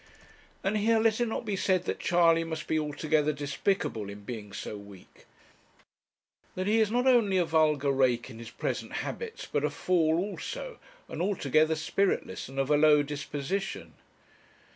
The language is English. And here let it not be said that Charley must be altogether despicable in being so weak; that he is not only a vulgar rake in his present habits, but a fool also, and altogether spiritless, and of a low disposition.